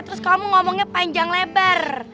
terus kamu ngomongnya panjang lebar